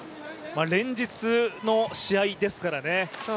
連日の試合ですからね。